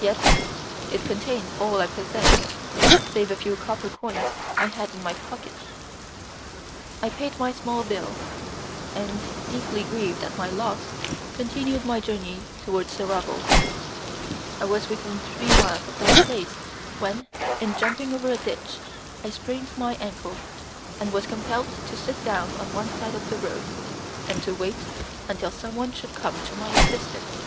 Yet it contained all I possessed, save a few copper coins I had in my pocket. I paid my small bill, and, deeply grieved at my loss, continued my journey towards Seraval. I was within three miles of that place when, in jumping over a ditch, I sprained my ankle, and was compelled to sit down on one side of the road, and to wait until someone should come to my assistance.